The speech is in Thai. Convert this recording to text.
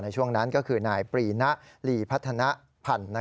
ช่วงนั้นก็คือนายปรีนะลีพัฒนภัณฑ์